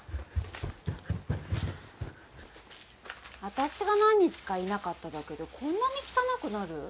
私が何日かいなかっただけでこんなに汚くなる？